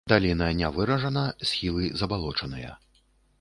Даліна не выражана, схілы забалочаныя.